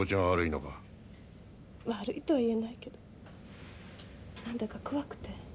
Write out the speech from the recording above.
悪いとは言えないけど何だか怖くて。